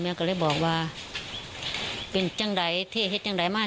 แม่ก็เลยบอกว่าเป็นเจ้าไหร่เจ้าเห็นเจ้าไหร่มา